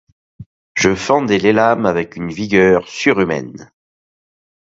Je fendais les lames avec une vigueur surhumaine.